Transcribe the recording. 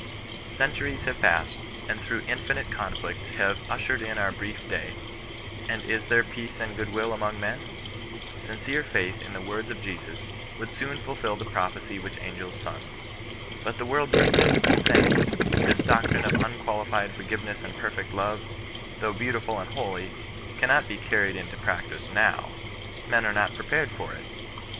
'^ Centuries have passed, and through infinite conflict have ' ushered in our brief day ;' and is there peace and good will among men ? Sincere faith in the words of Jesus would soon fulfil the prophecy which angels sung. But the world persists in saying, ' This doctrine of un qualified forgiveness and perfect love, though beautiful and holy, cannot be carried into practice now; men are not prepared for it.'